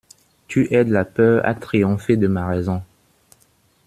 Tu aides la peur à triompher de ma raison!